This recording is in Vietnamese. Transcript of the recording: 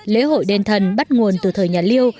lễ hội đền thần bắt nguồn từ thời nhà liêu